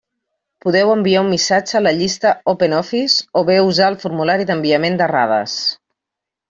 Podeu enviar un missatge a la llista Open Office o bé usar el formulari d'enviament d'errades.